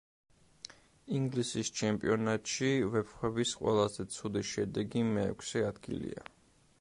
ინგლისის ჩემპიონატში „ვეფხვების“ ყველაზე ცუდი შედეგი მეექვსე ადგილია.